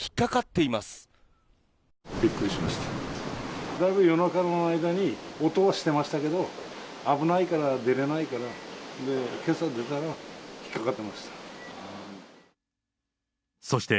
だいぶ夜中の間に、音はしてましたけど、危ないから、出れないから、で、けさ出たら、引っ掛かってました。